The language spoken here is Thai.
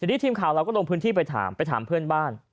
ทีมข่าวลงพื้นที่ลงถามไปถามเพื่อนบ้าน